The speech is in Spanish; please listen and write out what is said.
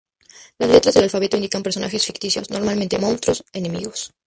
Las letras del alfabeto indican personajes ficticios, normalmente monstruos enemigos.